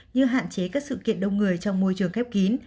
như hạn chế các sự kiện đông người trong môi trường khép kín